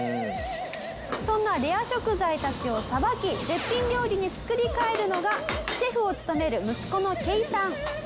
そんなレア食材たちをさばき絶品料理に作り変えるのがシェフを務める息子のケイさん。